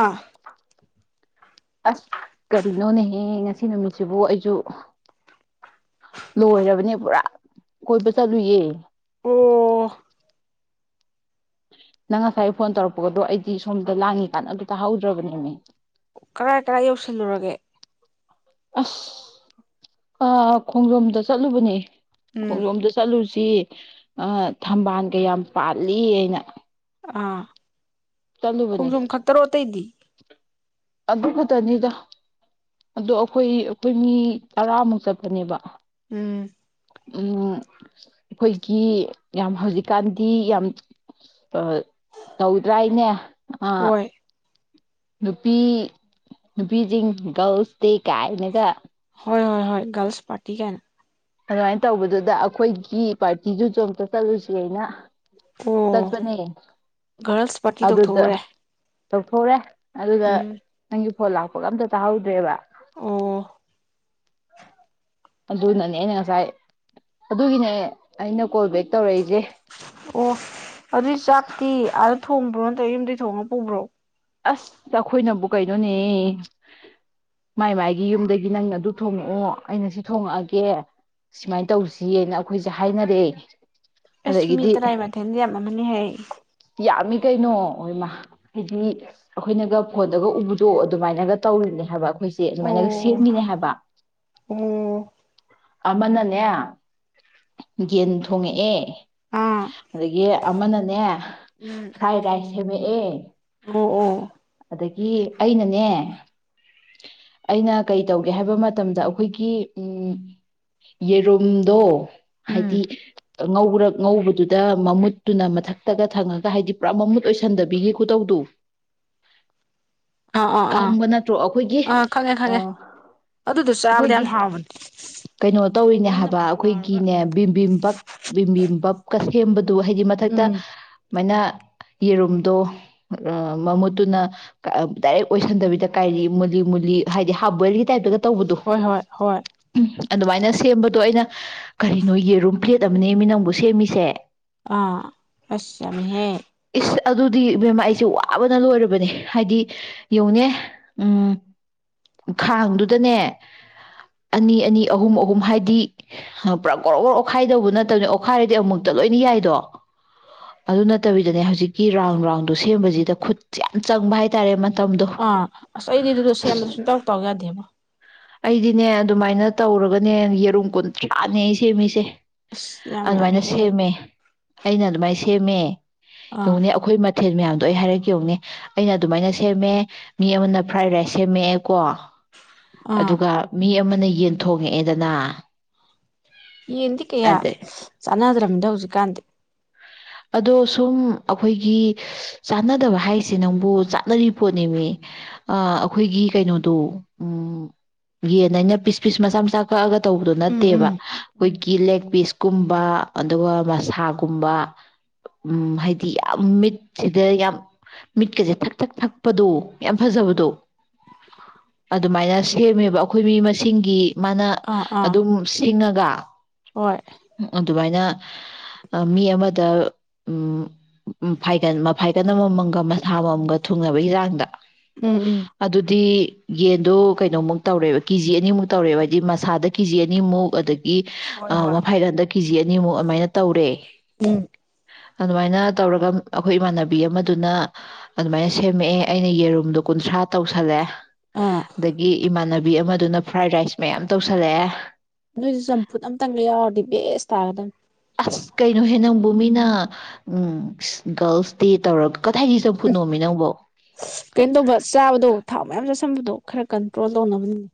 ꯑꯥ ꯑꯁ ꯀꯔꯤꯅꯣꯅꯦꯍꯦ ꯉꯁꯤ ꯅꯨꯃꯤꯠꯁꯤꯕꯨ ꯑꯩꯁꯨ ꯂꯣꯏꯔꯕꯅꯦ ꯄꯨꯔꯥ ꯀꯣꯏꯕ ꯆꯠꯂꯨꯌꯦ ꯑꯣ ꯅꯪ ꯉꯁꯥꯏ ꯐꯣꯟ ꯇꯧꯔꯛꯄꯒꯗꯣ ꯑꯩꯗꯤ ꯁꯣꯝꯗ ꯂꯥꯡꯉꯤ ꯀꯥꯟꯅꯕ ꯇꯥꯍꯧꯗ꯭ꯔꯕꯅꯦꯅꯦ ꯀꯔꯥꯏ ꯀꯔꯥꯏ ꯌꯧꯁꯜꯂꯨꯔꯒꯦ ꯑꯁ ꯈꯣꯡꯖꯣꯝꯗ ꯆꯠꯂꯨꯕꯅꯦ ꯎꯝ ꯈꯣꯝꯗꯣ ꯆꯜꯂ ꯁꯤ ꯊꯝꯕꯥꯜꯒ ꯌꯥꯝ ꯄꯥꯜꯂꯤ ꯑꯩꯅ ꯑꯥ ꯈꯣꯡꯖꯣꯝ ꯈꯛꯇꯔꯣ ꯑꯇꯩꯗꯤ ꯑꯗꯨ ꯈꯛꯇꯅꯤꯗ ꯑꯗꯣ ꯑꯩꯈꯣꯏ ꯑꯩꯈꯣꯏ ꯃꯤ ꯇꯔꯥꯃꯨꯛ ꯆꯠꯄꯅꯦꯕ ꯎꯝ ꯎꯝ ꯑꯩꯈꯣꯏꯒꯤ ꯌꯥꯝ ꯍꯧꯖꯤꯛꯀꯥꯟꯗꯤ ꯌꯥꯝ ꯇꯧꯗ꯭ꯔꯥꯏꯅꯦ ꯑꯥ ꯍꯣꯏ ꯅꯨꯄꯤ ꯅꯨꯄꯤꯁꯤꯡ ꯒꯥꯔꯜꯁꯇꯤ ꯀꯥꯏꯅꯒ ꯍꯣꯏ ꯍꯣꯏ ꯍꯣꯏ ꯔꯜꯁ ꯄꯔꯇꯤ ꯀꯥꯏꯅ ꯑꯗꯨꯃꯥꯏꯅ ꯇꯧꯕꯗꯨꯗ ꯑꯩꯈꯣꯏꯒꯤ ꯄꯥꯔꯇꯤꯁꯨ ꯆꯣ ꯑꯝꯇ ꯆꯠꯂꯨꯁꯤ ꯑꯩꯅ ꯑꯣ ꯆꯠꯄꯅꯦ ꯒꯥꯔꯜꯁ ꯄꯥꯔꯇꯤ ꯑꯗꯨꯗ ꯇꯧꯊꯣꯛꯎꯔꯦ ꯇꯊꯣꯔꯦ ꯑꯗꯨꯒ ꯎꯝ ꯅꯪꯒꯤ ꯍꯣ ꯂꯥꯛꯄꯒ ꯑꯝꯇ ꯇꯥꯍꯧꯗ꯭ꯔꯦꯕ ꯑꯣ ꯑꯗꯨꯅꯅꯦꯩꯅ ꯉꯁꯥꯏ ꯑꯗꯨꯒꯤꯅꯦ ꯑꯩꯅ ꯀꯣꯜ ꯕꯦꯛ ꯇꯧꯔꯛꯏꯁꯦ ꯑꯣ ꯑꯗꯨ ꯆꯥꯇ ꯑ ꯊꯣꯡꯕ꯭ꯔꯣ ꯅꯠꯇ꯭ꯔꯒ ꯌꯨꯝꯩ ꯊꯣꯡꯉ ꯄꯨꯕ꯭ꯔꯣ ꯑꯁ ꯑꯩꯈꯣꯏꯅꯕꯨ ꯀꯩꯅꯣꯅꯦ ꯃꯥꯏ ꯃꯥꯏꯒꯤ ꯌꯨꯝꯗꯒꯤ ꯅꯪꯅ ꯑꯗꯨ ꯊꯣꯡꯉꯛꯑꯣ ꯑꯩꯅ ꯁꯤ ꯊꯣꯡꯉꯛꯑꯒꯦ ꯁꯨꯃꯥꯏꯅ ꯇꯧꯁꯤꯅ ꯑꯩꯈꯣꯏꯁꯦ ꯍꯥꯏꯅꯔꯛꯑꯦ ꯏꯁꯁꯃꯤ ꯇ ꯔꯥꯏ ꯃꯥꯊꯦꯗꯤ ꯌꯥꯝꯅ ꯑꯃꯅꯤ ꯍꯌꯦ ꯌꯥꯝꯃꯤ ꯀꯩꯅꯣ ꯑꯣꯏꯃ ꯍꯥꯏꯗꯤ ꯑꯩꯈꯣꯏꯅꯒ ꯐꯣꯟꯗꯒ ꯎꯕꯗꯣ ꯑꯗꯨꯃꯥꯏꯅꯒ ꯇꯧꯔꯤꯕꯅꯦ ꯍꯥꯏꯕ ꯑꯩꯈꯣꯏꯁꯦ ꯑꯗꯨꯃꯥꯏꯅꯒ ꯑꯣ ꯁꯠꯃꯤꯅꯦ ꯍꯥꯏꯕ ꯑꯣ ꯑꯃꯅꯅꯦ ꯌꯦꯟ ꯊꯣꯡꯉꯛꯑꯦ ꯑꯥ ꯑꯗꯒꯤ ꯑꯃꯅꯅꯦ ꯎꯝ ꯍꯥꯏꯃꯦ ꯑꯦ ꯑꯣ ꯑꯣ ꯑꯗꯒꯤ ꯑꯩꯅꯅꯦ ꯑꯩꯅ ꯀꯩ ꯇꯧꯒꯦ ꯍꯥꯏꯕ ꯃꯇꯝꯗ ꯑꯩꯈꯣꯏꯒꯤ ꯌꯦꯔꯨꯝꯗꯣ ꯎꯝ ꯍꯥꯏꯗꯤ ꯉꯧꯔ ꯉꯧꯕꯗꯨꯗ ꯃꯃꯨꯠꯇꯨꯅ ꯃꯊꯛꯇꯒ ꯊꯪꯉꯒ ꯍꯥꯏꯗꯤ ꯄꯨꯔꯥ ꯃꯃꯨꯠ ꯑꯣꯏꯁꯟꯗꯕꯤꯒꯤ ꯈꯨꯗꯧꯗꯨ ꯑꯥ ꯑꯥ ꯑꯥ ꯈꯪꯕ ꯅꯠꯇ꯭ꯔꯣ ꯑꯩꯈꯣꯏꯒꯤ ꯑꯥ ꯈꯪꯉꯦ ꯑ ꯈꯪꯉꯦ ꯑꯗꯨꯗꯣ ꯆꯥꯕꯗ ꯑꯩꯈꯣꯏꯒꯤ ꯌꯥꯝ ꯍꯥꯎꯕꯅꯦ ꯀꯩꯅꯣ ꯇꯧꯔꯤꯅꯦ ꯅꯝ ꯍꯥꯏꯕ ꯅꯞꯀ ꯂꯥꯎꯔꯒ ꯑꯩꯈꯣꯏꯒꯤꯅꯦ ꯕꯤꯝꯕꯤꯕꯞ ꯕꯤꯕꯤꯕꯞ ꯀꯁ ꯍꯕꯗ ꯑꯗꯨ ꯍꯥꯏꯗꯤ ꯃꯊꯛꯇ ꯎꯝ ꯃꯥꯏꯅ ꯌꯦꯔꯨꯝꯗꯣ ꯑꯃꯃꯨꯠ ꯑꯗꯨꯅ ꯗꯥꯏꯔꯦꯛ ꯑꯣꯏꯁꯟꯗꯕꯤꯗ ꯀꯥꯏꯔꯤ ꯃꯨꯂꯤ ꯃꯨꯂꯤ ꯍꯥꯏꯗꯤ ꯍꯥꯔꯞ ꯕꯣꯏꯜꯒꯤ ꯇꯥꯏꯞꯇ ꯇꯧꯕꯗꯨ ꯍꯣꯏ ꯍꯣꯏ ꯍꯣꯏ ꯎꯝ ꯑꯗꯨꯃꯥꯏꯅ ꯁꯦꯝꯕꯗꯣ ꯑꯩꯅ ꯀꯔꯤꯅꯣ ꯌꯦꯔꯨꯝ ꯄ꯭ꯂꯦꯠ ꯑꯃꯅꯦ ꯃꯤ ꯅꯪꯕꯨ ꯁꯦꯝꯃꯤꯁꯦ ꯑꯥ ꯑꯁ ꯌꯥꯝꯃꯦꯍꯦ ꯑꯗꯨꯗꯤ ꯕꯦꯝꯃ ꯑꯩꯁꯦ ꯋꯥꯕꯅ ꯂꯣꯏꯔ ꯅꯦ ꯍꯥꯏꯗꯤ ꯌꯦꯡꯎꯅꯦ ꯎꯝ ꯈꯥꯡꯗꯨꯗꯅꯦ ꯑꯅꯤ ꯑꯅꯤ ꯑꯍꯨꯝ ꯑꯍꯨꯝ ꯍꯥꯏꯗꯤ ꯄꯨꯔꯥ ꯒꯣꯔꯣ ꯒꯣꯔ ꯑꯣꯠꯈꯥꯏꯗꯧꯕ ꯅꯠꯇꯕꯅꯦ ꯑꯣꯠꯈꯥꯏꯔꯗꯤ ꯑꯃꯨꯛꯇ ꯂꯣꯏꯅ ꯌꯥꯏꯗꯣ ꯑꯗꯨ ꯅꯠꯇꯕꯤꯗꯅꯦ ꯍꯧꯖꯤꯛꯀꯤ ꯔꯥꯎꯟ ꯔꯥꯎꯟꯗꯣ ꯁꯦꯝꯕꯁꯤꯗ ꯈꯨꯠ [unintelligible] ꯆꯪꯕ ꯍꯥꯏ ꯇꯥꯔꯦ ꯃ ꯑꯥ ꯑꯁ ꯑꯩꯗꯤ ꯑꯗꯨꯗ ꯁꯦꯝꯕꯗ ꯁꯨꯡꯇꯧ ꯇꯧ ꯌꯥꯗꯦꯕ ꯑꯩꯗꯤꯅꯦ ꯑꯗꯨꯃꯥꯏꯅ ꯇꯧꯔꯒꯅꯦ ꯌꯦꯔꯨꯝ ꯀꯨꯟꯊ꯭ꯔꯥꯅꯦ ꯑꯩ ꯁꯦꯃꯤꯁꯦ ꯑꯁ ꯌꯥꯝ ꯑꯗꯨꯃꯥꯏꯅ ꯌꯥꯝꯃꯤꯍꯦ ꯁꯦꯝꯃꯦ ꯑꯩꯅ ꯑꯗꯨꯃꯥꯏꯅ ꯊꯦꯃꯦ ꯑꯥ ꯌꯦꯡꯉꯣꯅꯦ ꯑꯩꯈꯣꯏ ꯃꯊꯦꯜ ꯃꯌꯥꯝ ꯇꯣꯏ ꯍꯥꯏꯔꯛ ꯌꯧꯅꯦ ꯑꯩꯅ ꯑꯗꯨꯃꯥꯏꯅ ꯁꯦꯝꯃꯦ ꯃꯤ ꯑꯃꯅ ꯐ꯭ꯔꯥꯏ ꯔꯥꯏꯁ ꯁꯦꯝꯃꯛꯑꯦ ꯀꯣ ꯑꯥ ꯑꯗꯨꯒ ꯃꯤ ꯑꯃꯅ ꯌꯦꯟ ꯊꯣꯡꯉꯛꯑꯦꯗꯅ ꯌꯦꯟꯗꯤ ꯀꯌꯥ ꯑꯗꯩ ꯆꯥꯟꯅꯗ꯭ꯔꯃꯤꯗ ꯍꯧꯖꯤꯛꯀꯥꯟꯗꯤ ꯑꯗꯣ ꯁꯨꯝ ꯑꯩꯈꯣꯏꯒꯤ ꯆꯥꯟꯅꯗꯕ ꯍꯥꯏꯁꯦ ꯅꯪꯕꯨ ꯆꯥꯅꯔꯤ ꯄꯣꯠꯅꯦꯃꯤ ꯑꯩꯈꯣꯏꯒꯤ ꯀꯩꯅꯣꯗꯣ ꯌꯦꯟ ꯑꯩꯅ ꯄꯤꯁ ꯄꯤꯁ ꯃꯆꯥ ꯃꯆꯥ ꯀꯛꯑꯒ ꯇꯧꯕꯗꯣ ꯎꯝ ꯎꯝ ꯅꯠꯇꯦꯕ ꯎꯝ ꯑꯩꯈꯣꯏꯒꯤ ꯂꯦꯒ ꯄꯤꯁ ꯀꯨꯝꯕ ꯑꯗꯨꯒ ꯃꯁꯥꯒꯨꯝꯕ ꯎ ꯍꯥꯏꯗꯤ ꯌꯥꯝ ꯃꯤꯠꯁꯤꯗ ꯌꯥꯝ ꯃꯤꯠꯀꯁꯦ ꯊꯛ ꯊꯛ ꯊꯛꯄꯗꯣ ꯌꯥꯝ ꯐꯖꯕꯗꯣ ꯑꯗꯨꯃꯥꯏꯅ ꯁꯦꯝꯃꯦꯕ ꯑꯩꯈꯣꯏ ꯃꯤ ꯃꯁꯤꯡꯒꯤ ꯃꯥꯅ ꯑꯥ ꯑꯥ ꯑꯗꯨꯝ ꯁꯤꯡꯉꯒ ꯍꯣꯏ ꯑꯗꯨꯃꯥꯏꯅ ꯑ ꯃꯤ ꯑꯃꯗ ꯎꯝ ꯐꯥꯏꯒꯟ ꯃꯐꯥꯏ [unintelligible] ꯑꯃꯃꯝꯒ ꯃꯁꯥ ꯑꯃꯃꯝꯒ ꯊꯨꯡꯅꯕꯩ ꯍꯥꯡꯗ ꯎꯝ ꯎꯝ ꯑꯗꯨꯗꯤ ꯌꯦꯟꯗꯣ ꯀꯩꯅꯣꯃꯨꯛ ꯇꯧꯔꯦꯕ ꯀꯤꯖꯤ ꯑꯅꯤꯃꯨꯛ ꯇꯧꯔꯦꯕ ꯍꯥꯏꯗꯤ ꯃꯁꯥꯗ ꯀꯤꯖꯤ ꯑꯅꯤꯃꯨꯛ ꯑꯗ ꯒꯤ ꯍꯣꯏ ꯑꯥ ꯍꯣꯏ ꯃꯐꯥꯏꯒꯟꯗ ꯀꯤꯖꯤ ꯑꯅꯤꯃꯨꯛ ꯑꯃꯥꯏꯅ ꯇꯧꯔꯦ ꯎꯝ ꯑꯗꯨꯃꯥꯏꯅ ꯇꯧꯔꯒ ꯑꯩꯈꯣꯏ ꯏꯃꯥꯟꯅꯕꯤ ꯑꯃꯗꯨꯅ ꯑꯗꯨꯃꯥꯏꯅ ꯁꯦꯝꯃꯛꯑꯦ ꯑꯩꯅ ꯌꯦꯔꯨꯝꯗꯣ ꯀꯨꯟꯊ꯭ꯔꯥ ꯇꯧꯁꯜꯂꯦ ꯑꯥ ꯑꯗꯒꯤ ꯏꯃꯥꯟ ꯕꯤ ꯑꯃꯗꯨꯅ ꯐ꯭ꯔꯥꯏ ꯔꯥꯏꯁ ꯃꯌꯥꯝ ꯇꯧꯁꯜꯂꯛꯑꯦ ꯅꯣꯏꯁꯨ ꯆꯝꯐꯨꯠ ꯑꯝꯇꯪꯒ ꯌꯥꯎꯔꯗꯤ ꯕꯦꯁ ꯇꯥꯒꯗꯪ ꯑꯁ ꯀꯩꯅꯣꯍꯦ ꯅꯪꯕꯨ ꯃꯤꯅ ꯒꯥꯔꯜꯁ ꯗꯦ ꯇꯧꯔ ꯀꯩꯅ‌ꯣ ꯇꯧꯕ ꯆꯥꯕꯗꯣ ꯊꯥꯎ ꯃꯌꯥꯝ ꯆꯠꯁꯟꯕꯗꯣ ꯈꯔ ꯀꯟꯇ꯭ꯔꯣꯜ ꯇꯧꯅꯕꯅꯤꯅꯦ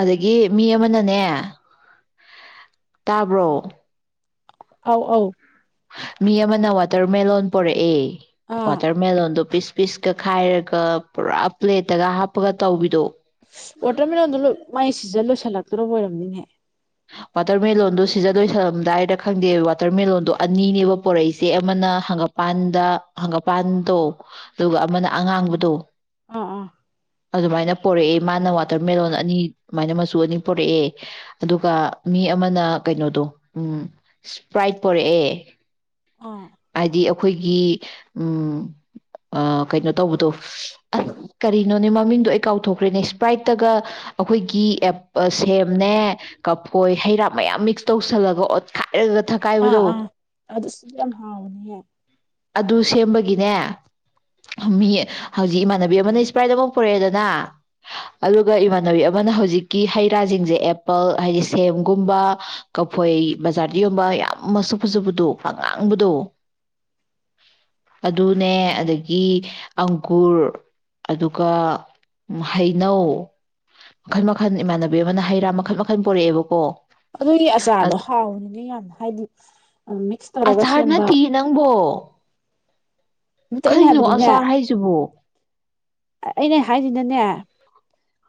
ꯑꯗꯒꯤ ꯃꯤ ꯑꯃꯅꯅꯦ ꯇꯥꯕ꯭ꯔꯣ ꯑꯥꯎ ꯑꯥꯎ ꯃꯤ ꯑꯃꯅ ꯋꯥꯇꯔꯃꯦꯂꯣꯟ ꯄꯣꯔꯛꯑꯦ ꯑꯥ ꯋꯥꯇꯔ ꯃꯦꯂ‌ꯣꯟꯗ‌ꯣ ꯄꯤꯁ ꯄꯤꯁꯀ ꯈꯥꯏꯔꯒ ꯄꯨꯔꯥ ꯄ꯭ꯂꯦꯠꯇꯒ ꯍꯥꯞꯄꯒ ꯇꯧꯕꯤꯗꯣ ꯋꯥꯇꯔꯃꯦꯂꯣꯟꯗꯣ ꯃꯥꯏ ꯁꯤꯖ ꯂꯣꯏꯁꯤꯜꯂꯛꯇ꯭ꯔꯕ ꯑꯣꯏꯔꯝꯅꯤꯅꯦꯍ ꯋꯥꯇꯔꯃꯦꯂꯣꯟꯗꯣ ꯁꯤꯖꯟ ꯂꯣꯏꯁꯜꯂꯝꯗꯥꯏꯔ ꯈꯪꯗꯦ ꯋꯥꯇꯔꯃꯦꯂꯣꯟꯗꯣ ꯑꯅꯤꯅꯦꯕ ꯄꯣꯔꯛꯏꯁꯦ ꯑꯃꯅ ꯍꯪꯒꯄꯥꯟꯗ ꯍꯪꯒꯄꯥꯟꯗꯣ ꯑꯗꯨꯒ ꯑꯃꯅ ꯑꯉꯥꯡꯕꯗꯣ ꯑꯥ ꯑꯥ ꯑꯗꯨꯃꯥꯏꯅ ꯄꯣꯔꯛꯑꯦ ꯃꯥꯅ ꯋꯥꯇꯔꯃꯦꯜꯂꯣꯟ ꯑꯅꯤ ꯑꯗꯨꯃꯥꯏꯅ ꯃꯆꯨ ꯑꯅꯤ ꯄꯣꯔꯛꯑꯦ ꯑꯗꯨꯒ ꯃꯤ ꯑꯃꯅ ꯀꯩꯅꯣꯗꯣ ꯎꯝ ꯏꯁꯄ꯭ꯔꯥꯏꯠ ꯄꯣꯔꯛꯑꯦ ꯑꯥ ꯗꯤ ꯑꯩꯈꯣꯏꯒꯤ ꯎꯝ ꯀꯩꯅꯣ ꯇꯧꯕꯗꯣ ꯑꯁ ꯀꯔꯤꯅꯣꯅꯦ ꯃꯃꯤꯡꯗꯣ ꯑꯩ ꯀꯥꯎꯊꯣꯛꯈ꯭ꯔꯦꯅꯦ ꯏꯁꯄ꯭ꯔꯥꯏꯠꯇꯒ ꯑꯩꯈꯣꯏꯒꯤ ꯁꯦꯝꯅꯦ ꯀꯐꯣꯏ ꯍꯩꯔꯥ ꯃꯌꯥꯝ ꯃꯤꯛꯁ ꯇꯧꯁꯜꯂꯒ ꯑꯣꯠ ꯑ ꯑ ꯑꯗꯨꯁꯨ ꯌꯥꯝ ꯍꯥꯎꯕꯅꯤ ꯍ ꯑꯗꯨ ꯁꯦꯝꯕꯒꯤꯅꯦ ꯃꯤ ꯍꯧꯖꯤꯛ ꯏꯃꯥꯟꯅꯕꯤ ꯑꯃꯅ ꯏꯁꯄ꯭ꯔꯥꯏꯗ ꯑꯃ ꯄꯨꯔꯛꯑꯦꯗꯅ ꯑꯗꯨꯒ ꯏꯃꯥꯟꯅꯕꯤ ꯑꯃꯅ ꯍꯧꯖꯤꯛꯀꯤ ꯍꯩ ꯔꯥꯁꯤꯡꯁꯦ ꯑꯦꯄꯜ ꯍꯥꯏꯗꯤ ꯁꯦꯝꯒꯨꯝꯕ ꯀꯐꯣꯏ ꯕꯖꯥꯔꯗ ꯌ‌ꯣꯟꯕ ꯌꯥꯝ ꯃꯁꯛ ꯐꯖꯕꯗꯨ ꯑꯉꯥꯡꯕꯗꯣ ꯑꯗꯨꯅꯦ ꯑꯗꯒꯤ ꯑꯪꯒꯨꯔ ꯑꯗꯨꯒ ꯍꯩꯅꯧ ꯃꯈꯜ ꯃꯈꯜ ꯏꯃꯥꯟꯅꯕꯤ ꯑꯃꯅ ꯍꯩ ꯔꯥ ꯃꯈꯜ ꯃꯈꯜ ꯄꯔꯛꯑꯦꯕꯀꯣ ꯑꯗꯨꯏꯗꯤ ꯑꯆꯥꯔꯗꯣ ꯍꯥꯎꯅꯤꯅꯦ ꯌꯥꯝ ꯍꯥꯏꯗꯤ ꯃꯤꯛꯁ ꯇꯧꯔꯒ ꯑꯆꯥꯔ ꯁꯦꯝꯕ ꯅꯠꯇꯦ ꯅꯪꯕꯣ ꯅꯠꯇꯦ ꯑꯩꯅ ꯀꯔꯤꯅꯣ ꯍꯥꯏꯕꯗꯤꯅꯦ ꯑꯆꯥꯥꯔ ꯍꯥꯏꯁꯤꯕ‌ꯣ ꯑꯩꯅ ꯍꯥꯏꯁꯤꯅꯅꯦ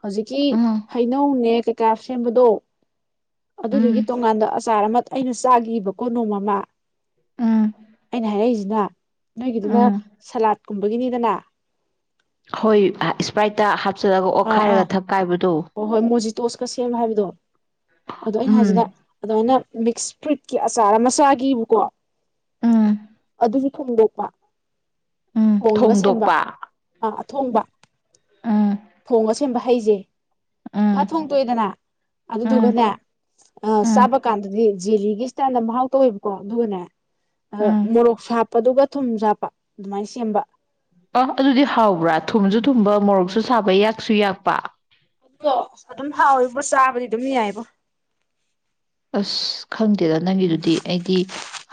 ꯍꯧꯖꯤꯛꯀꯤ ꯎꯝ ꯍꯩꯅꯧꯅꯦ ꯀꯥꯁꯦꯝꯕꯗꯣ ꯑꯗꯨꯗꯨꯒꯤ ꯎꯝ ꯇꯣꯡꯉꯥꯟꯕꯗ ꯑꯆꯥꯔ ꯑꯃ ꯑꯩꯅ ꯆꯥꯒꯤꯕ ꯀꯣ ꯅꯣꯡꯃ ꯑꯃ ꯎꯝ ꯑꯩꯅ ꯍꯥꯏꯔꯛꯏꯁꯤ ꯉ ꯅꯣꯏꯒꯤꯗꯨꯅ ꯎꯝ ꯁꯂꯥꯠ ꯀꯨꯝꯕꯒꯤꯅꯤꯗꯅ ꯍꯣꯏ ꯏꯁꯄ꯭ꯔꯥꯏꯠꯇ ꯍꯥ ꯆꯠꯂꯒ ꯑꯣꯠꯈꯥꯏꯔꯒ ꯊꯛꯀꯥꯏꯕꯗꯣ ꯍ ꯍꯣꯏ ꯃꯣꯖꯤꯇꯣꯁꯀ ꯁꯦꯝꯕ ꯍꯥꯏꯕꯗꯣ ꯑꯗꯣ ꯑꯩꯅ ꯍꯥꯏꯁꯤꯅ ꯎꯝ ꯑꯗꯨꯃꯥꯏꯅ ꯃꯤꯛꯁ ꯐ꯭ꯔꯨꯏꯠꯀꯤ ꯑꯆꯥꯔ ꯑꯃ ꯆꯥꯒꯤꯕꯀꯣ ꯎꯝ ꯑꯗꯨꯁꯨ ꯊꯣꯡꯗꯣꯛꯄ ꯎꯝ ꯊꯣꯡꯉꯒ ꯁꯦꯝꯕ ꯊꯣꯡꯗꯣꯛꯄ ꯑꯥ ꯊꯣꯡꯕ ꯎꯝ ꯐꯣꯡꯁ ꯁꯦꯝꯕ ꯍꯩꯖꯦ ꯐꯠ ꯎꯝ ꯊꯣꯡꯗ‌ꯣꯛꯑꯦꯗꯅ ꯎꯝ ꯑꯗꯨꯗꯨꯒꯅꯦ ꯆꯥꯕ ꯎꯝ ꯀꯥꯟꯗꯗꯤ ꯖꫠꯂꯤꯒꯤ ꯏꯁ꯭ꯇꯥꯏꯜꯗ ꯃꯍꯥꯎ ꯇꯧꯋꯦꯕꯀꯣ ꯑꯗꯨꯒꯅꯦ ꯑ ꯎꯝ ꯃꯣꯔꯣꯛꯁꯨ ꯍꯥꯞꯄꯗꯨꯒ ꯊꯨꯝꯁꯨ ꯍꯥꯞꯄ ꯑꯗꯨꯃꯥꯏꯅ ꯁꯦꯝꯕ ꯑ ꯑꯗꯨꯗꯤ ꯍꯥꯎꯕ꯭ꯔꯥ ꯊꯨꯝꯁꯨ ꯊꯨꯝꯕ ꯃꯣꯔꯣꯛꯁꯨ ꯁꯥꯕ ꯌꯥꯛꯁꯨ ꯌꯥꯛꯄ ꯑꯣ ꯑꯗꯨꯝ ꯍꯥꯎꯋ‌ꯦꯕ ꯆꯥꯕꯗꯤ ꯑꯗꯨꯝ ꯌꯥꯏꯕ ꯑꯁ ꯈꯪꯗꯦꯗ ꯅꯪꯒꯤꯗꯨꯗꯤ ꯑꯩꯗꯤ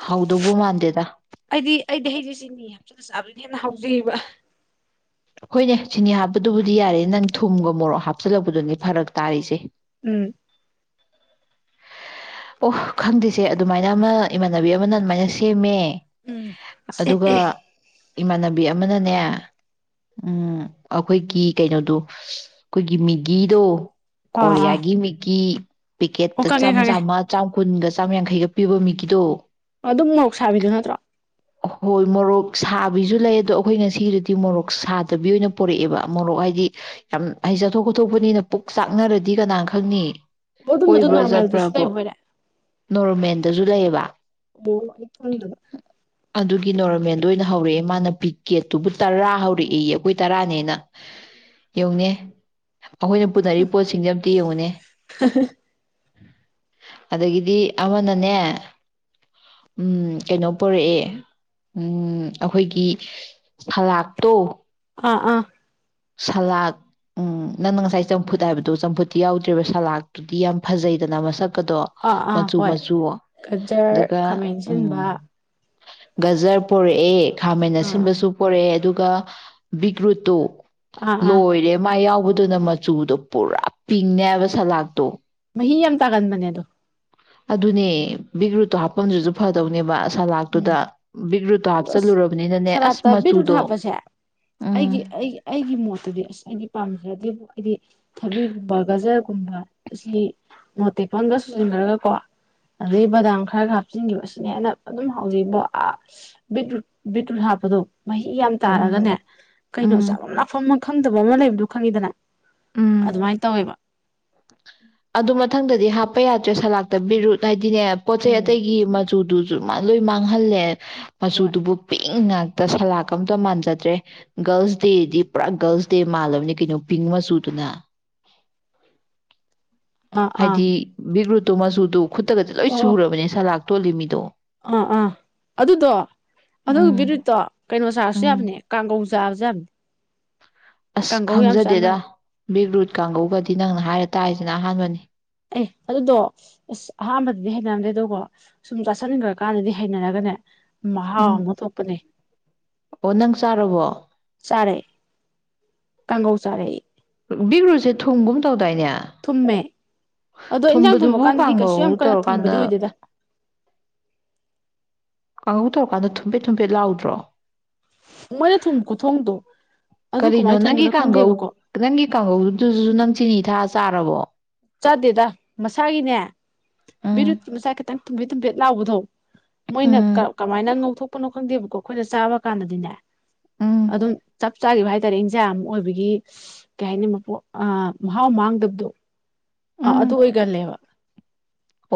ꯍꯥꯎꯗꯧꯕ ꯃꯥꯟꯗꯦꯗ ꯑꯩꯗꯤ ꯑꯩꯗꯤ ꯍꯩꯁꯤ ꯆꯤꯅꯤ ꯍꯥꯞꯆꯤꯜꯂ ꯆꯥꯕꯅ ꯍꯦꯟꯅ ꯍꯥꯎꯖꯩꯕ ꯑꯩꯈꯣꯏꯅꯦ ꯆꯤꯅꯤ ꯍꯥꯞꯄꯗꯨꯕꯨꯗꯤ ꯌꯥꯔꯦ ꯅꯪ ꯊꯨꯝꯒ ꯃꯣꯔꯣꯛ ꯍꯥꯞꯆꯤꯜꯂꯛꯄꯗꯨꯅꯦ ꯐꯔꯛ ꯇꯥꯔꯤꯁꯦ ꯎꯝ ꯑꯣ ꯈꯪꯗ‌ꯦꯁꯦ ꯑꯗꯨꯃꯥꯏꯅ ꯑꯃ ꯏꯃꯥꯟꯅꯕꯤ ꯑꯃꯅ ꯑꯗꯨꯃꯥꯏꯅ ꯁꯦꯝꯃꯦ ꯎꯝ ꯑꯗꯨꯒ ꯏꯃꯥꯟꯅꯕꯤ ꯑꯃꯅꯅꯦ ꯎꯝ ꯑꯩꯈꯣꯏꯒꯤ ꯀꯩꯅꯣꯗꯣ ꯑꯩꯈꯣꯏꯒꯤ ꯃ‌ꯦꯒꯤꯗꯣ ꯑꯥ ꯑꯥ ꯀꯣꯔꯤꯌꯥꯒꯤ ꯃ‌ꯦꯒꯤ ꯑꯣ ꯄꯤꯀꯦꯠꯇ ꯈꯪꯉꯦ ꯆꯥꯝꯃ ꯈꯪꯉꯦ ꯆꯥꯝꯃ ꯒ ꯆꯥꯝꯃ ꯌꯥꯡꯈꯩꯒ ꯄꯤꯕ ꯃꯤꯒꯤꯗꯣ ꯑꯗꯨꯝ ꯃ‌ꯣꯔ‌ꯣꯛ ꯁꯥꯕꯤꯗꯨ ꯅꯠꯇ꯭ꯔꯣ ꯍꯣꯏ ꯃꯣꯔꯣꯛ ꯁꯥꯕꯤꯁꯨ ꯂꯩ ꯑꯗꯣ ꯑꯩꯈꯣꯏ ꯉꯁꯤꯗꯨꯗꯤ ꯃꯣꯔꯣꯛ ꯁꯥꯗꯕꯤ ꯑꯣꯏꯅ ꯄꯣꯔꯛꯑꯦꯕ ꯃꯣꯔꯣꯛ ꯍꯥꯏꯗꯤ ꯌꯥꯝ ꯍꯥꯏꯗꯤ ꯆꯠꯊꯣꯛ ꯈꯣꯊꯣꯛꯄꯅꯤꯅ ꯄꯨꯛ ꯆꯥꯛꯅꯔꯗꯤ ꯀꯅꯥꯅ ꯈꯪꯅꯤ ꯑꯣ ꯑꯗꯨꯝꯕꯗꯣ ꯀꯣꯏꯕ꯭ꯔꯥ ꯅꯣꯔꯃꯦꯜꯗꯁꯨ ꯆꯠꯄ꯭ꯔꯕꯣ ꯂꯩꯕ ꯑꯣꯏꯔꯦ ꯅꯣꯔꯃꯦꯟ ꯁꯨ ꯂꯩꯌꯦꯕ ꯑꯣ ꯑꯩ ꯈꯪꯗꯕ ꯑꯗꯨꯒꯤ ꯅꯣꯔꯃꯦꯜꯗ ꯑꯣꯏꯅ ꯍꯧꯔꯛꯑꯦ ꯃꯥꯅ ꯄꯤꯛꯀꯦꯠꯇꯨꯕꯨ ꯇꯔꯥ ꯍꯧꯔꯛꯏ ꯑꯩꯈꯣꯏ ꯇꯔꯥꯅꯦꯅ ꯌ‌ꯦꯡꯉꯨꯅꯦ ꯑꯩꯈꯣꯏꯅ ꯄꯨꯅꯔꯤꯕ ꯄꯣꯠꯁꯤꯡꯁꯦ ꯑꯝꯇ ꯌꯦꯡꯉꯨꯅꯦ ꯑꯗꯒꯤꯗꯤ ꯑꯃꯅꯅꯦ ꯎꯝ ꯀꯩꯅꯣ ꯄꯨꯔꯛꯑꯦ ꯎꯝ ꯑꯩꯈꯣꯏꯒꯤ ꯐꯂꯥꯛꯇꯣ ꯑꯥ ꯑꯥ ꯁꯂꯥꯗ ꯅꯪꯅ ꯉꯁꯥꯏ ꯆꯝꯐꯨꯠ ꯍꯥꯏꯕꯗꯣ ꯆꯝꯐꯨꯠꯇꯤ ꯌꯥꯎꯗ꯭ꯔ‌ꯦꯕ ꯁꯂꯥꯠꯇꯨꯗꯤ ꯌꯥꯝ ꯐꯖꯩꯗꯅ ꯃꯁꯛ ꯀꯗꯣ ꯑꯥ ꯑꯥ ꯃꯆꯨ ꯍꯣꯏ ꯃꯆꯨ ꯒꯖꯔ ꯑꯗꯨꯒ ꯈꯥꯃꯦꯟ ꯎꯝ ꯑꯁꯤꯟꯕ ꯒꯖꯔ ꯄꯨꯔꯛꯑꯦ ꯈꯥꯃ‌ꯦꯟ ꯑꯥ ꯑꯁꯤꯟꯕꯁꯨ ꯄꯣꯔꯛꯑꯦ ꯑꯗꯨꯒ ꯒ ꯕꯤꯠꯔꯨꯠ ꯇ‌ꯣ ꯑꯥ ꯑꯥ ꯂꯣꯏꯔꯦ ꯃꯥ ꯌꯥꯎꯕ ꯑꯗꯨꯅ ꯃꯆꯨꯗꯣ ꯄꯨꯔꯥ ꯄꯤꯡꯅꯦꯕ ꯁꯂꯥꯗꯇꯣ ꯃꯍꯤ ꯌꯥꯝ ꯇꯥꯒꯟꯕꯅ‌ꯦ ꯑꯗꯨ ꯑꯗꯨꯅꯦ ꯕꯤꯒꯔꯨꯠꯇꯣ ꯍꯥꯞꯄꯝꯗꯔꯁꯨ ꯐꯗꯧꯅꯦꯕ ꯎꯝ ꯁꯂꯥꯠꯇꯨꯗ ꯕꯤꯒ ꯔꯨꯇ ꯑꯗꯣ ꯑꯁ ꯍꯥꯞꯆꯤꯜꯂꯨꯔꯕꯅꯤꯅꯅꯦ ꯑꯁ ꯁꯂꯥꯠꯇ ꯕꯤꯠꯔꯨꯠ ꯃꯆꯨꯗꯣ ꯍꯥꯞꯄꯁꯦ ꯎꯝ ꯑꯩꯒꯤ ꯑꯩꯒꯤ ꯑꯩꯒꯤ ꯃꯣꯠꯇꯗꯤ ꯑꯁ ꯑꯩꯩꯅ ꯄꯥꯝꯖꯦ ꯗ‌ꯦ ꯑꯩꯗꯤ ꯍꯥꯏꯗꯤ ꯊꯕꯤꯒꯨꯝꯕ ꯒꯖꯔꯒꯨꯝꯕ ꯑꯁꯤ ꯃ‌ꯣꯔ‌ꯣꯛ ꯑꯇꯦꯛꯄ ꯑꯝꯒ ꯁꯨꯖꯤꯟꯈ꯭ꯔꯒꯀꯣ ꯑꯗꯩ ꯕꯗꯥꯝ ꯈꯔꯒ ꯍꯥꯞꯆꯤꯟꯈꯤꯕ ꯑꯁꯤꯅ ꯍꯦꯟꯅ ꯑꯗꯨꯝ ꯍꯥꯎꯖꯩꯕꯣ ꯑꯁ ꯕꯤꯇ꯭ꯔꯨꯠ ꯕꯤꯇ꯭ꯔꯨꯠ ꯍꯥꯞꯄꯗꯣ ꯃꯍꯤ ꯌꯥꯝ ꯇꯥꯔꯒꯅꯦ ꯎꯝ ꯀꯩꯅꯣ ꯎꯝ ꯆꯥꯐꯝ ꯂꯥꯛꯐꯝ ꯑꯃ ꯈꯪꯗꯕ ꯑꯃ ꯂꯩꯕꯗꯨꯣ ꯈꯪꯉꯤꯗꯅ ꯎꯝ ꯑꯗꯨꯃꯥꯏꯅ ꯇꯧꯋꯦꯕ ꯑꯗꯨ ꯃꯊꯪꯗꯗꯤ ꯍꯥ ꯂꯄ ꯌꯥꯗ꯭ꯔꯦ ꯁꯂꯥꯛꯇꯕꯤꯔ ꯑꯗꯨꯅꯦ ꯄꯣꯠ ꯆꯩ ꯎꯝ ꯑꯇꯩꯒꯤ ꯆ ꯆꯨꯗꯨꯁꯨ ꯃꯥ ꯂꯣꯏ ꯃꯥꯡꯍꯜꯂꯦ ꯍꯣꯏ ꯃꯁꯨꯨꯗꯨꯕꯨ ꯏꯪ ꯉꯥꯛꯇ ꯁꯂꯥ ꯑꯝꯇ ꯃꯥꯟꯖꯗ꯭ꯔꯦ ꯒꯔꯜꯁ ꯗꯦꯗꯤ ꯄꯨꯔꯥ ꯒꯔꯜꯁ ꯗꯦ ꯃꯥꯜꯂꯕꯅꯤ ꯀꯩꯅꯣ ꯄꯤꯡ ꯃꯆꯨ ꯄꯨꯅ ꯑꯥ ꯑꯥ ꯍꯥꯏꯗꯤ ꯕꯤꯕ ꯇꯃꯁꯨꯗꯣ ꯈꯨꯠꯇꯒꯗꯤ ꯂꯣꯏ ꯆ ꯑꯣ ꯑꯣ ꯁꯨꯔꯕꯅꯦ ꯁꯂꯥꯛꯇ ꯇꯣꯂꯤꯃꯤꯗꯣ ꯑꯥ ꯑꯥ ꯑꯗꯨꯗꯣ ꯑꯗꯨꯒꯤ ꯎꯝ ꯕꯤꯔꯨꯠꯇꯣ ꯀꯩꯅꯣ ꯁꯥꯔꯁꯨ ꯎꯝ ꯌꯥꯕꯅꯦ ꯀꯥꯡꯒꯧ ꯖꯝ ꯑꯁ ꯈꯪꯖꯗꯦꯗ ꯕꯤꯒꯔꯨꯠ ꯀꯥꯡꯒꯒꯗꯤ ꯅꯪꯅ ꯍꯥꯏꯔ ꯇꯥꯁ ꯁꯤꯅ ꯑꯍꯥꯟꯕꯅꯤ ꯑꯦ ꯑꯗꯨꯗꯣ ꯑꯁ ꯑꯍꯥꯟꯕꯗꯗꯤ ꯍꯥꯏꯅꯔꯝꯗꯦ ꯑꯗꯣ ꯣ ꯁꯨꯝ ꯆꯥꯁꯤꯟꯈ꯭ꯔ ꯀꯥꯟꯗꯗꯤ ꯍꯩꯅꯔꯒꯅꯦ ꯎꯝ ꯃꯥꯃ ꯇꯨꯞꯄꯅꯦ ꯑꯣ ꯅꯪ ꯆꯥꯔꯕꯣ ꯆꯥꯔꯦ ꯀꯥꯡꯒꯧ ꯆꯥꯔꯦ ꯕꯤꯒ꯭ꯔꯨꯁꯦ ꯊꯣꯡꯒꯨꯝ ꯇꯧ ꯊꯨꯝꯃꯦ ꯑꯗꯣ ꯏꯟꯖꯥꯡ ꯊꯨꯝꯕꯗꯨꯕꯨ ꯊꯣꯡꯃꯛꯀꯥꯟꯗꯗꯤ ꯀꯩꯁꯨ ꯌꯥꯝ ꯀꯥꯡꯒꯧ ꯀꯟꯅ ꯇꯧꯔꯀꯥꯟꯗ ꯊꯨꯝꯝꯕꯗꯤ ꯑꯣꯏꯗꯦꯗ ꯀꯥꯡꯉꯧ ꯇꯧꯔꯀꯥꯟꯗ ꯊꯨꯝꯐꯦꯠ ꯊꯨꯝꯐꯦꯠ ꯂꯥꯎꯗ꯭ꯔꯣ ꯃꯣꯏꯅ ꯊꯨꯝꯕ ꯈꯨꯊꯣꯡꯗꯣ ꯑꯗꯨ ꯀꯔꯤꯅꯣ ꯀꯃꯥꯏꯅ ꯅꯪꯒꯤ ꯊꯣꯡꯕꯅꯣ ꯀꯥꯡꯒꯧ ꯈꯪꯗꯦꯕꯀꯣ ꯅꯪꯒꯤ ꯀꯥꯡꯒꯧꯗꯨꯁꯨ ꯅꯪ ꯆꯤꯅꯤ ꯄꯤꯊꯥ ꯆꯥꯔꯔꯕꯣ ꯆꯥꯗꯦꯗ ꯃꯁꯥꯒꯤꯅꯦ ꯃꯤꯔꯨ ꯎꯝ ꯃꯁꯥ ꯈꯤꯇꯪ ꯇꯨꯝꯕꯦꯠ ꯇꯨꯝꯕꯦ ꯂꯥꯎꯕꯗꯣ ꯃꯣꯏꯅ ꯎꯝ ꯀꯃꯥꯏꯅ ꯉꯧꯊꯣꯛ ꯄꯅ ꯈꯪꯗꯦꯕꯀꯣ ꯑꯩꯈꯣꯏꯅ ꯆꯥꯕ ꯀꯥꯟꯗꯗꯤꯅꯦ ꯎꯝ ꯑꯗꯨꯝ ꯆꯞ ꯆꯥꯈꯤꯕ ꯍꯥꯏꯇꯥꯔꯦ ꯆꯖꯥ ꯑꯃ ꯑꯣꯏꯕꯒꯤ ꯀꯩ ꯍꯥꯏꯅꯤ ꯃꯄꯣ ꯃꯍꯥꯎ ꯃꯥꯡꯗꯕꯗꯣ ꯑꯥ ꯎꯝ ꯑꯗꯨ ꯑꯣꯏꯒꯅꯦꯕ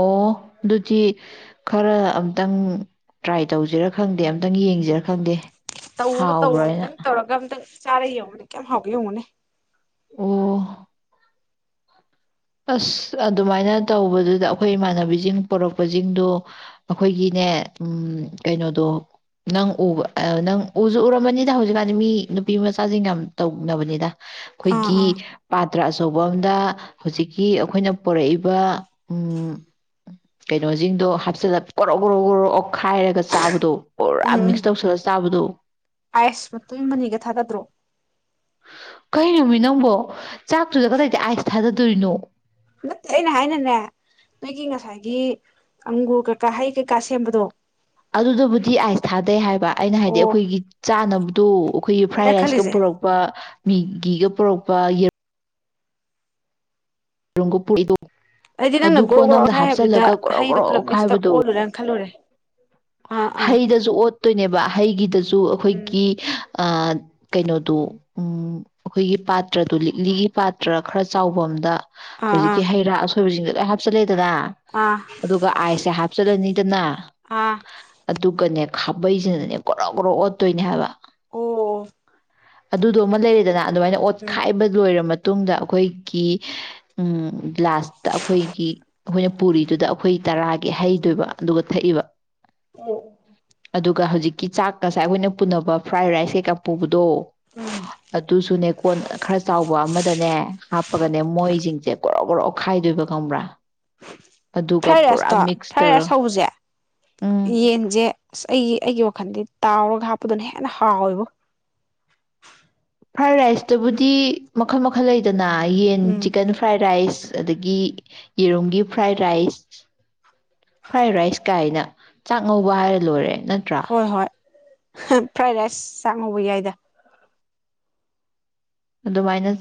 ꯑꯣ ꯑꯗꯨꯗꯤ ꯈꯔ ꯑꯝꯇꯪ ꯇ꯭ꯔꯥꯏ ꯇꯧꯁꯤꯔ ꯈꯪꯗꯦ ꯑꯝꯇꯪ ꯌꯦꯡꯖꯔ ꯈꯪꯗꯦ ꯇꯧ ꯇꯧ ꯍꯥꯎꯕ꯭ꯔꯥ ꯍꯥꯏꯅ ꯑꯇꯪ ꯇꯧꯔꯒꯝ ꯇꯪ ꯆꯥꯔ ꯌꯦꯡꯉꯨꯅꯦ ꯀꯌꯥꯝ ꯍꯥꯎꯒꯦ ꯌꯦꯡꯉꯨꯅꯦ ꯎꯝ ꯑꯁ ꯑꯗꯨꯃꯥꯏꯅ ꯇꯧꯕꯗꯨꯗ ꯑꯩꯈꯣꯏ ꯏꯃꯥꯟꯅꯕꯤꯖꯤꯡ ꯄꯣꯔꯛꯄꯖꯤꯡꯗꯣ ꯑꯩꯈꯣꯏꯒꯤꯅꯦ ꯎꯝ ꯀꯩꯅꯣꯗꯣ ꯅꯪ ꯎꯕ ꯅꯪ ꯎꯖꯨ ꯎꯔꯃꯅꯤꯗ ꯍꯧꯖꯤꯛꯀꯥꯟꯗꯤ ꯃꯤ ꯅꯨꯄꯤ ꯃꯆꯥꯖꯤꯡ ꯌꯥꯝ ꯇꯧꯅꯕꯅꯤꯗ ꯑꯥ ꯈꯣꯏꯒꯤ ꯑꯥ ꯄꯥꯠ ꯇ꯭ꯔ ꯑꯆꯧꯕ ꯑꯝꯗ ꯍꯧꯖꯤꯛꯀꯤ ꯑꯩꯈꯣꯏꯅ ꯄꯣꯔꯛꯏꯕ ꯎꯝ ꯀꯩꯅꯣꯖꯤꯡꯗꯣ ꯍꯥꯞꯆꯤꯜꯂ ꯀꯣꯔꯣ ꯒꯣꯔꯣ ꯒꯣꯔꯣ ꯑꯣꯈꯥꯏꯔꯒ ꯆꯥꯕꯗꯣ ꯄꯨꯔꯥ ꯎꯝ ꯎꯝ ꯃꯤꯛꯁ ꯇꯧꯁꯤꯜꯂꯁ ꯆꯥꯕꯗꯣ ꯑꯥꯏꯁ ꯃꯇꯨꯝ ꯑꯃꯅꯤꯒ ꯊꯥꯗꯗ꯭ꯔꯣ ꯀꯔꯤꯅꯣꯃꯤ ꯅꯪꯕꯣ ꯆꯥꯛꯇꯨꯗ ꯀꯗꯥꯏꯗꯗꯩ ꯑꯥꯏꯁ ꯊꯥꯗꯗꯣꯏꯅꯣ ꯇꯦ ꯑꯩꯅ ꯍꯥꯏꯅꯅꯦ ꯅꯣꯏꯒꯤ ꯉꯁꯥꯏꯒꯤ ꯑꯪꯒꯨꯔ ꯀꯩꯀꯥ ꯍꯩ ꯀꯩꯀꯥ ꯁꯦꯝꯕꯗꯣ ꯑꯗꯨꯗꯕꯨꯗꯤ ꯑꯥꯏꯁ ꯊꯥꯗꯩ ꯍꯥꯏꯕ ꯑꯩꯅ ꯍꯥꯏꯗꯤ ꯑꯣ ꯑꯩꯈꯣꯏꯒꯤ ꯆꯥꯅꯕꯗꯣ ꯑꯩꯈꯣꯏꯒꯤ ꯐ꯭ꯔꯥꯏ ꯑꯩꯅ ꯔꯥꯏꯁꯀ ꯈꯜꯂꯤꯁꯦ ꯄꯨꯔꯛꯄ ꯃꯤꯒꯤꯒ ꯄꯨꯔꯛꯄ ꯌꯦꯔꯨ ꯒꯣꯄꯨꯏꯗꯣ ꯑꯩꯗꯤ ꯅꯪꯅ ꯑꯗꯨ ꯒ꯭ꯔꯣꯛ ꯀꯣꯟ ꯒ꯭ꯔꯣꯛ ꯑꯝꯗ ꯈꯥꯏ ꯍꯥꯏꯕꯗꯨꯗ ꯍꯥꯞꯆꯜꯂꯒ ꯀꯣꯔꯣ ꯍꯩꯗꯣ ꯒꯣꯔꯣ ꯄꯨꯂꯞ ꯃꯤꯛꯁꯇ ꯑꯣꯈꯥꯏꯕꯗꯣ ꯑꯣꯜꯂꯨꯔꯅ ꯈꯜꯂꯨꯔꯦ ꯑꯥ ꯑꯥ ꯍꯩꯗꯁꯨ ꯑꯣꯠꯇꯣꯏꯅꯦꯕ ꯍꯩꯒꯤꯗꯁꯨ ꯎꯝ ꯑꯩꯈꯣꯏꯒꯤ ꯑ ꯑꯥ ꯀꯩꯅꯣꯗꯣ ꯎꯝ ꯑꯈꯣꯏꯒꯤ ꯄꯥꯇ꯭ꯔꯗꯨ ꯂꯤꯛꯂꯤꯒꯤ ꯄꯥꯇ꯭ꯔ ꯈꯔ ꯆꯥꯎꯕ ꯑꯝꯗ ꯑꯥ ꯑꯥ ꯍꯧꯖꯤꯛꯀꯤ ꯍꯩꯔꯥ ꯑꯁꯣꯏ ꯕꯖꯤꯡꯗꯣ ꯂꯣꯏ ꯍꯥꯞꯆꯜꯂꯦ ꯗꯅ ꯑꯥ ꯑꯗꯨꯒ ꯑꯥꯏꯁꯁꯦ ꯍꯥꯞꯆꯜꯂꯅꯤꯗꯅ ꯑꯥ ꯑꯗꯨꯒꯅꯦ ꯈꯥꯕꯩꯖꯤꯅꯅꯦ ꯒꯣꯔꯣ ꯒꯣꯔꯣ ꯑꯣꯠꯇꯣꯏꯅꯦ ꯍꯥꯏꯕ ꯑꯣ ꯑꯗꯨꯗꯣ ꯑꯃ ꯂꯩꯔꯦꯗꯅ ꯑꯗꯨꯃꯥꯏꯅ ꯎꯝ ꯑꯣꯠꯈꯥꯏꯕ ꯂꯣꯏꯔꯃꯠ ꯃꯇꯨꯡꯗ ꯑꯈꯣꯏꯒꯤ ꯎꯝ ꯒꯂꯥꯁꯇ ꯑꯈꯣꯏꯒꯤ ꯑꯩꯈꯣꯏꯅ ꯄꯨꯔꯤꯗꯨꯗ ꯑꯩꯈꯣꯏ ꯇꯔꯥꯒꯤ ꯍꯩꯗꯣꯏꯕ ꯑꯗꯨꯒ ꯊꯛꯏꯕ ꯑꯣ ꯑꯣ ꯑꯗꯨꯒ ꯍꯧꯖꯤꯛꯀꯤ ꯆꯥꯛꯀꯁꯥꯏ ꯑꯩꯈꯣꯏꯅ ꯄꯨꯅꯕ ꯐ꯭ꯔꯥꯏ ꯔꯥꯏꯁ ꯀꯩꯀꯥ ꯄꯨꯕ ꯗꯣ ꯎꯝ ꯑꯗꯨꯁꯨꯅꯦ ꯀꯣꯟ ꯈꯔ ꯆꯥꯎꯕ ꯑꯃꯗꯅꯦ ꯍꯥꯞꯄꯒꯅꯦ ꯃꯣꯏꯖꯤꯡꯖꯦ ꯒꯣꯔꯣ ꯒꯣꯔꯣ ꯑꯣ ꯈꯥꯏꯗꯣꯏꯕ ꯈꯪꯕ꯭ꯔꯥ ꯑꯗꯨꯒ ꯐ꯭ꯔꯥꯏ ꯄꯨꯔꯥ ꯔꯥꯏꯁꯇꯣ ꯃꯤꯛꯁ ꯐ꯭ꯔꯥꯏ ꯇꯧꯔ ꯔꯥꯏꯁ ꯍꯧꯕꯖꯦ ꯎꯝ ꯌꯦꯟꯖꯦ ꯑꯩꯒꯤ ꯑꯩꯒꯤ ꯋꯥꯈꯟꯗꯤ ꯇꯥꯎꯔꯒ ꯍꯥꯞꯄꯗꯨꯅ ꯍꯦꯟꯅ ꯍꯥꯎꯋꯦꯕꯣ ꯐ꯭ꯔꯥꯏ ꯔꯥꯏꯁꯇꯨꯕꯨꯗꯤ ꯃꯈꯜ ꯃꯈꯜ ꯂꯩꯗꯅ ꯑꯥ ꯌꯦꯟ ꯎꯝ ꯆꯤꯀꯟ ꯐ꯭ꯔꯥꯏ ꯔꯥꯏꯁ ꯑꯗꯒꯤ ꯌꯦꯔꯨꯝꯒꯤ ꯐ꯭ꯔꯥꯏ ꯔꯥꯏꯁ ꯐ꯭ꯔꯥꯏ ꯔꯥꯏꯁ ꯀꯥꯏꯅ ꯆꯥꯛ ꯉꯧꯕ ꯍꯥꯏꯔ ꯂꯣꯏꯔꯦ ꯅꯠꯇ꯭ꯔꯥ ꯍꯣꯏ ꯍꯣꯏ ꯍꯥ ꯐ꯭ꯔꯥꯏ ꯔꯥꯏꯁ ꯆꯥꯛ ꯉꯧꯕ ꯌꯥꯏꯗ꯫ ꯑꯗꯨꯃꯥꯏꯅ